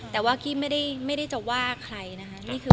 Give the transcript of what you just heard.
แต่ว่ากี้ไม่ได้จะว่าใครนะคะ